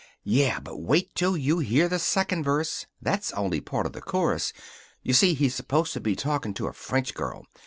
"Yeah, but wait till you hear the second verse. That's only part of the chorus. You see, he's supposed to be talking to a French girl.